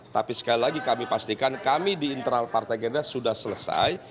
tapi sekali lagi kami pastikan kami di internal partai gerindra sudah selesai